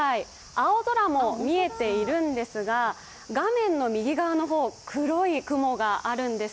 青空も見えているんですが、画面の右側の方、黒い雲があるんです。